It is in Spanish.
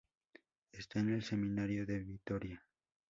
Está en el seminario de Vitoria.